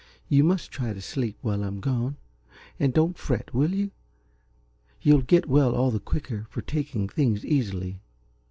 You must try to sleep, while I'm gone and don't fret will you? You'll get well all the quicker for taking things easily."